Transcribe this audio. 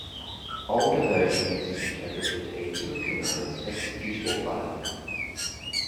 Older versions interpreted a tokenized executable file.